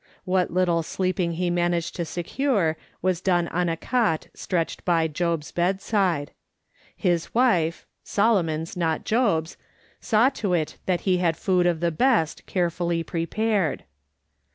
What little sleeping he managed to secure was done on a cot stretched by Job's bed side. His wife — Solomon's, not Job's — saw to it that he had food of the best carefully prepared.